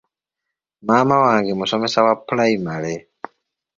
Maama wange musomesa wa pulayimale.